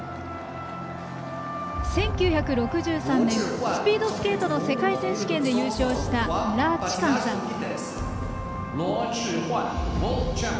１９６３年、スピードスケートの世界選手権で優勝した羅致煥さん。